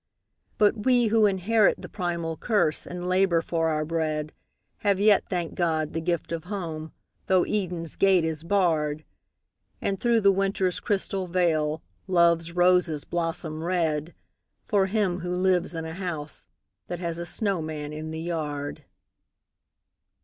But we who inherit the primal curse, and labour for our bread, Have yet, thank God, the gift of Home, though Eden's gate is barred: And through the Winter's crystal veil, Love's roses blossom red, For him who lives in a house that has a snowman in the yard.